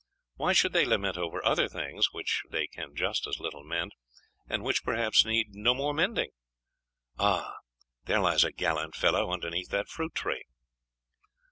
Why should they lament over other things which they can just as little mend and which perhaps need no more mending? Ah! there lies a gallant fellow underneath that fruit tree!